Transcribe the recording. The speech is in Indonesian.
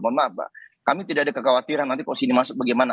mohon maaf kami tidak ada kekhawatiran nanti kok sini masuk bagaimana